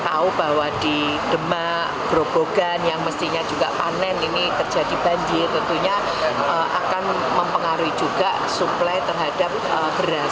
kita tahu bahwa di demak grobogan yang mestinya juga panen ini terjadi banjir tentunya akan mempengaruhi juga suplai terhadap beras